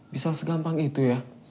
bisa segampang itu ya